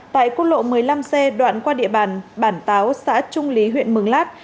tại quốc lộ một mươi năm c đoạn qua địa bàn bản táo xã trung lý huyện mường lát